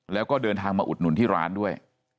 แล้วก็เดินทางมาอุดหนุนที่ร้านด้วย